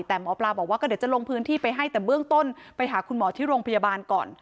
แต่หมอปลาบอกว่าก็เดี๋ยวจะลงพื้นที่ไปให้แต่เบื้องต้นไปหาคุณหมอที่โรงพยาบาลก่อน